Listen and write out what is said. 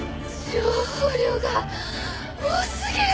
情報量が多すぎる。